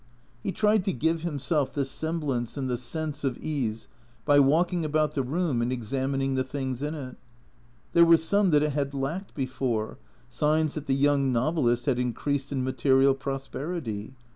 He tried to give himself the semblance and the sense of ease by walking about the room and examining the things in it. There were some that it had lacked before, signs that the young novelist had increased in material prosperity.